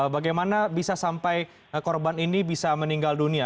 bagaimana bisa sampai korban ini bisa meninggal dunia